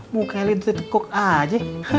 mukanya itu tekuk saja